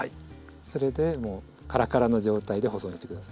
それでカラカラの状態で保存してください。